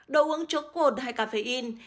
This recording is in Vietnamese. đồ uống chốt cồn hay cà phê in